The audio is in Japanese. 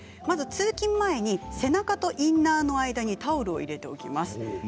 通勤前に背中とインナーの間にタオルを入れておきます。